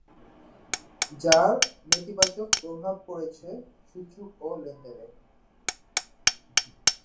যার নেতিবাচক প্রভাব পড়েছে সূচক ও লেনদেনে।